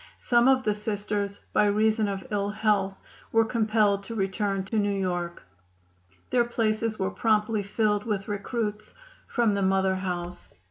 Some of the Sisters, by reason of ill health, were compelled to return to New York. Their places were promptly filled with recruits from the Mother House.